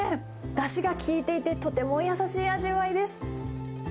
だしが効いていてとても優しい味わいです。